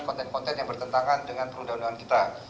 konten konten yang bertentangan dengan perundangan perundangan kita